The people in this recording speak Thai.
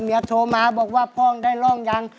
โทรมาบอกว่าพ่องได้ร่องยัง